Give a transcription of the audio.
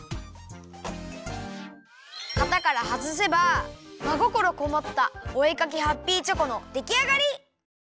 かたからはずせばまごころこもったお絵かきハッピーチョコのできあがり！